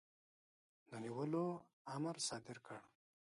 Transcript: د نیولو امر صادر کړ.